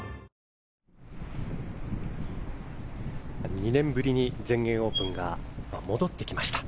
２年ぶりに全英オープンが戻ってきました。